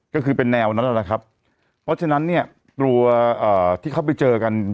ก็คือเป็นแนวนั้นนะครับเพราะฉะนั้นเนี่ยตัวอ่าที่เขาไปเจอกัน